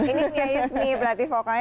ini nia yusmi pelatih vokalnya